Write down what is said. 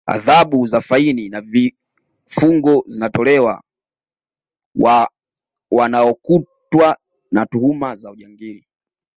adhabu za faini na vifungo zinatolewa wa wanaokutwa na tuhuma za ujangili